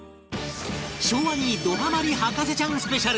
昭和にどハマり博士ちゃんスペシャル